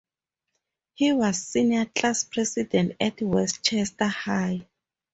He was senior class president at Westchester High.